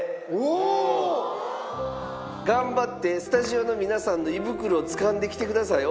「頑張ってスタジオの皆さんの胃袋を掴んできてください！